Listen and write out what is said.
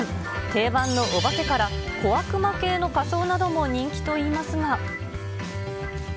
定番のお化けから、小悪魔系の仮装なども人気といいますが。